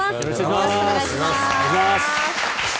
よろしくお願いします。